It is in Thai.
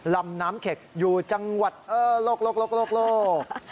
ลำน้ำเข็กอยู่จังหวัดโลก